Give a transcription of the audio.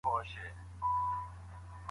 لويه جرګه ملي مسايل حل کوي.